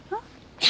え？